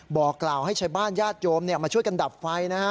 บอกกล่าวให้ชาวบ้านญาติโยมมาช่วยกันดับไฟนะฮะ